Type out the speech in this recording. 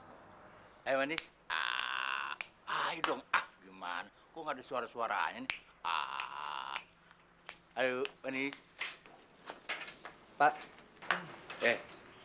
ngomong cewek eh manis ah ah dong ah gimana kok ada suara suara aja nih ah ayo ini pak eh